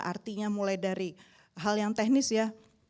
artinya mulai dari hal yang teknis ya